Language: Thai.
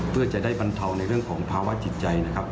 เพื่อจะได้บรรเทาในเรื่องของภาวะจิตใจนะครับ